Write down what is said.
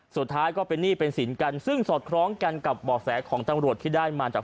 สุดท้ายก็เป็นหนี้เป็นสินกันซึ่งสอดคล้องกันกับบ่อแสของตำรวจที่ได้มาจาก